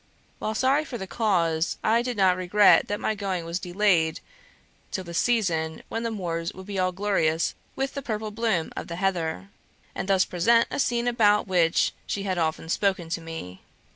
While sorry for the cause, I did not regret that my going was delayed till the season when the moors would be all glorious with the purple bloom of the heather; and thus present a scene about which she had often spoken to me.